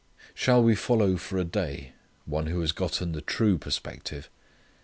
Shall we follow for a day one who has gotten the true perspective?